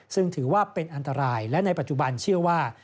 ซึ่งถือว่าเป็นอันตรายและในปัจจุบันเชื่อว่า